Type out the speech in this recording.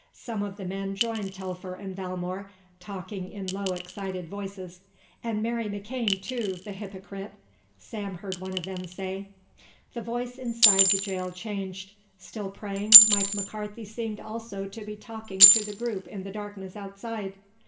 Some of the men joined Telfer and Valmore, talking in low, excited voices. "And Mary McKane, too, the hypocrite," Sam heard one of them say. The voice inside the jail changed. Still praying, Mike McCarthy seemed also to be talking to the group in the darkness outside.